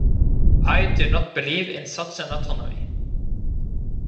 I do not believe in such an autonomy.